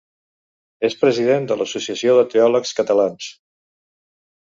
És president de l’Associació de Teòlegs Catalans.